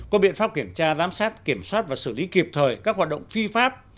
có biện pháp kiểm tra giám sát kiểm soát và xử lý kịp thời các hoạt động phi pháp